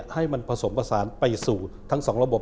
ให้มันผสมผสานไปสู่ทั้งสองระบบ